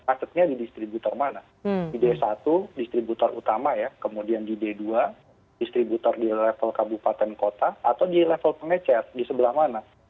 asetnya di distributor mana di d satu distributor utama ya kemudian di d dua distributor di level kabupaten kota atau di level pengecat di sebelah mana